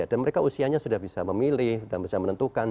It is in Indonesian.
dan mereka usianya sudah bisa memilih dan bisa menentukan